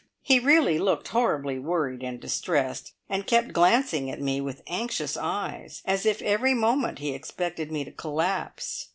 He really looked horribly worried and distressed, and kept glancing at me with anxious eyes, as if every moment he expected me to collapse.